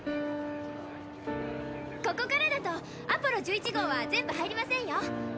ここからだとアポロ１１号は全部入りませんよ。